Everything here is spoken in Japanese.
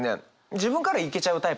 自分からいけちゃうタイプなんで。